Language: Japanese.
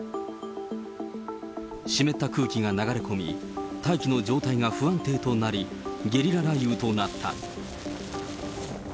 湿った空気が流れ込み、大気の状態が不安定となり、ゲリラ雷雨となった。